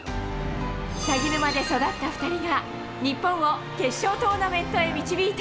鷺沼で育った２人が日本を決勝トーナメントへ導いた。